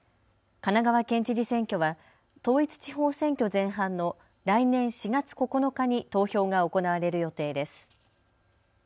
神奈川県知事選挙は統一地方選挙前半の来年４月９日に投票が行われる予定です。